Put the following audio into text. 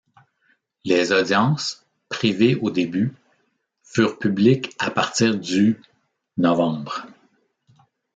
Les audiences, privées au début, furent publiques à partir du novembre.